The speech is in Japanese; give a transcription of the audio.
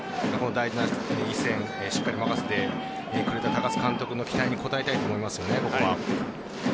大事な一戦しっかり任せてくれた高津監督の期待に応えたいと思いますよね、ここ。